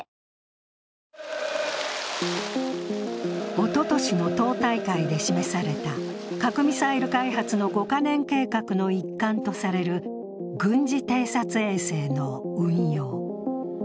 おととしの党大会で示された核・ミサイル開発の５か年計画の一環とされる軍事偵察衛星の運用。